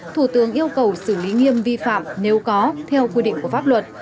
thủ tướng yêu cầu xử lý nghiêm vi phạm nếu có theo quy định của pháp luật